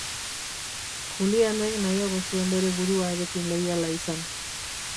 Julianek nahiago zuen bere buruarekin leiala izan.